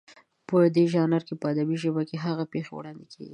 په دې ژانر کې په ادبي ژبه هغه پېښې وړاندې کېږي